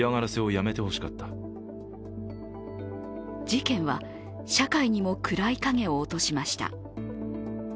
事件は社会にも暗い影を落としました。